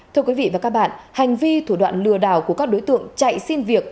thưa quý vị và các bạn hành vi thủ đoạn lừa đảo của các đối tượng chạy xin việc